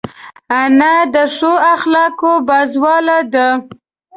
انا د ښو اخلاقو پازواله ده